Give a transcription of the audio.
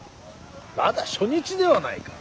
まだ初日ではないか。